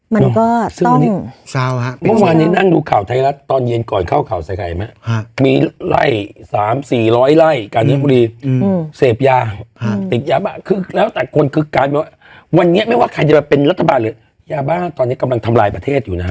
เมื่อวานนี้นั่งดูข่าวไทยรัฐตอนเย็นก่อนเข้าข่าวไทยไหมฮะมีไล่สามสี่ร้อยไล่การยัดบุรีอืมอืมเสพยาฮะติดยาบ้าคือแล้วแต่คนคือการว่าวันนี้ไม่ว่าใครจะเป็นรัฐบาลหรือยาบ้าตอนนี้กำลังทำลายประเทศอยู่นะครับ